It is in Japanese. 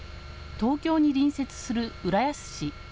東京に隣接する浦安市。